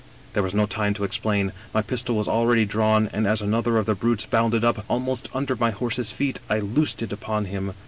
There was no time to explain ; my pistol was already drawn, and as another of the brutes bounded up, almost under my horse's feet, I loosed it upon him.